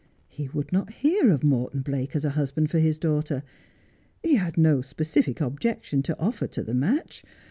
Jle would not hear of Morton Blake as a husband for his daughter, lie had no specific objection to offer to the match.